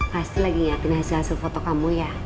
pasti lagi yakin hasil hasil foto kamu ya